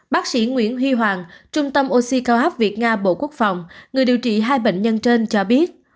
bác sĩ nguyễn huy hoàng trung tâm oxy cao áp việt nga bộ quốc phòng người điều trị hai bệnh nhân trên cho biết